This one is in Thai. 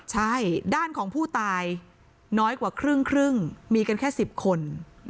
ใช่ด้านของผู้ตายน้อยกว่าครึ่งมีกันแค่๑๐คน